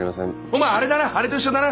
お前あれだなあれと一緒だな。